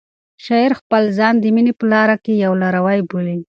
شاعر خپل ځان د مینې په لاره کې یو لاروی بولي.